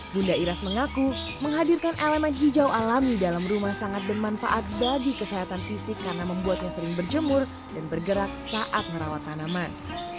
bunda iras mengaku menghadirkan elemen hijau alami dalam rumah sangat bermanfaat bagi kesehatan fisik karena membuatnya sering berjemur dan bergerak saat merawat tanaman